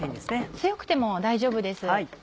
強くても大丈夫です。